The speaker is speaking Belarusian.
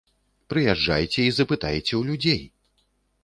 Прыязджайце і запытайце ў людзей!